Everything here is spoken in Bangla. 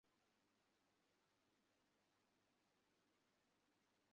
তাঁহারা কখনও পয়সার জন্য হাটে বাজারে এইসব তুকতাক দেখাইয়া দেশময় ঘুরিয়া বেড়ান না।